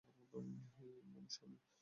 হেই, Munusamy.